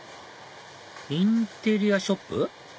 インテリアショップ？